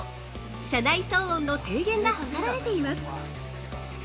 車内騒音の低減が図られています。